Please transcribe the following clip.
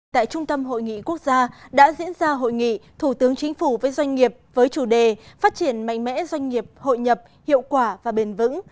tại trung tâm hội nghị quốc gia đã diễn ra hội nghị thủ tướng chính phủ với doanh nghiệp với chủ đề phát triển mạnh mẽ doanh nghiệp hội nhập hiệu quả và bền vững